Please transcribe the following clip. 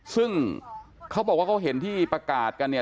ซึ่งเขาบอกว่าเขาเห็นที่ประกาศกันเนี่ย